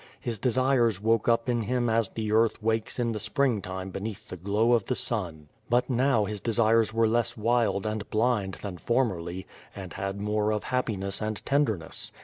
His desires woke up in hun as the earth wakes in the springtime beneath the glow of the sun; but now his desires were less wild and blind than for merly, and had more of happiness and tenderness.